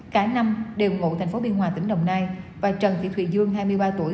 cả năm đều ngụ thành phố biên hòa tỉnh đồng nai và trần thị thùy dương hai mươi ba tuổi